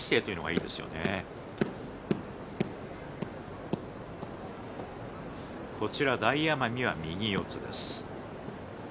そして大奄美は右四つです。